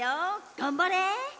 がんばれ！